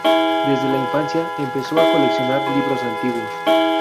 Desde la infancia empezó a coleccionar libros antiguos.